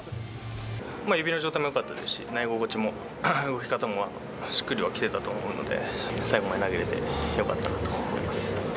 指の状態もよかったですし、投げ心地も動き方もしっくりはきてたと思うので、最後まで投げれてよかったなと思います。